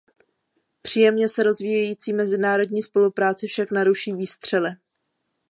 Příjemně se rozvíjející mezinárodní spolupráci však naruší výstřely.